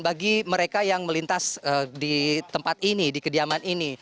bagi mereka yang melintas di tempat ini di kediaman ini